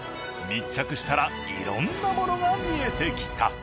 密着したらいろんなものが見えてきた。